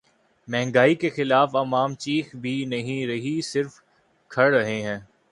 مہنگائی کے خلاف عوام چیخ بھی نہیں رہے‘ صرف کڑھ رہے ہیں۔